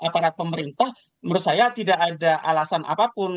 aparat pemerintah menurut saya tidak ada alasan apapun